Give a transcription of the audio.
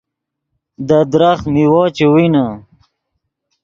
دے درخت میوو چے وینے